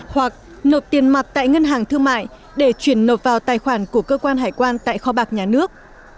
hoặc nộp tiền mặt tại ngân hàng thương mại để chuyển nộp vào tài khoản của cơ quan hải quan tại kho bạc nhà nước